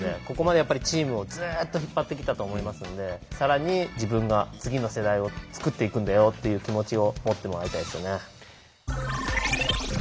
ここまでやっぱりチームをずっと引っ張ってきたと思いますんで更に自分が次の世代を作っていくんだよっていう気持ちを持ってもらいたいですよね。